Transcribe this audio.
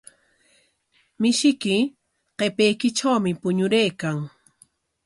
Mishiyki qipaykitrawmi puñuraykan.